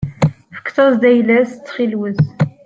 Fket-as-d ayla-as ttxil-wet.